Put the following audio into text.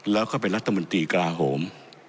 แล้วก็เป็นรัฐมนตรีกลาโหม